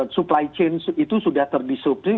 supply chain itu sudah terdisrupsi